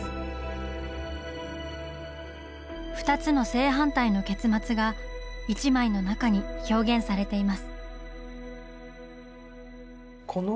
２つの正反対の結末が１枚の中に表現されています。